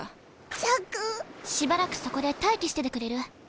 しばらくそこで待機しててくれる？